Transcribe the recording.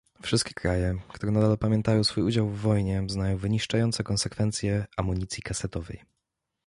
Wszystkie kraje, które nadal pamiętają swój udział w wojnie, znają wyniszczające konsekwencje amunicji kasetowej